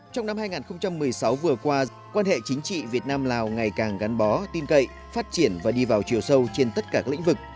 trong năm hai nghìn một mươi sáu vừa qua quan hệ chính trị việt nam lào ngày càng gắn bó tin cậy phát triển và đi vào chiều sâu trên tất cả các lĩnh vực